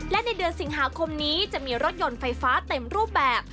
และในเดือนสิงหาคมนี้จะมีรถยนต์ไฟฟ้าเต็มรูปแบบ